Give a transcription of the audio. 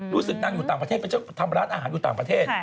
รู้สึกนางอยู่ต่างประเทศเป็นเจ้าทำร้านอาหารอยู่ต่างประเทศ